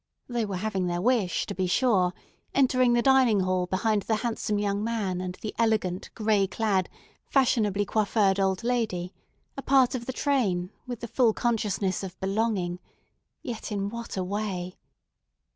They were having their wish, to be sure, entering the dining hall behind the handsome young man and the elegant, gray clad, fashionably coiffured old lady, a part of the train, with the full consciousness of "belonging," yet in what a way!